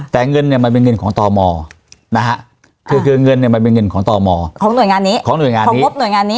แต่เงินเนี่ยมันเป็นเงินของตมนะฮะคือเงินเนี่ยมันเป็นเงินของตมของหน่วยงานนี้ของหน่วยงานของงบหน่วยงานนี้